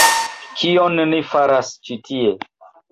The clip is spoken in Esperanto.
Kion ni faras ĉi tie?